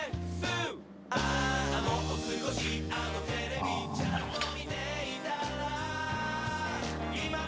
あなるほど。